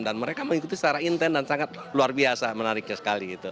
dan mereka mengikuti secara intent dan sangat luar biasa menariknya sekali